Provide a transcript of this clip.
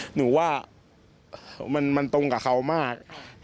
หนูว่ามันตรงกับเขามาก